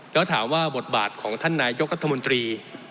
แล้วถามว่าบทบาทของท่านนายกรัฐมนตรี